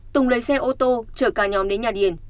tùng lấy xe ô tô chở cả nhóm đến nhà điền